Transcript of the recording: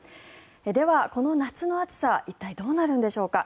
では、この夏の暑さ一体どうなるんでしょうか。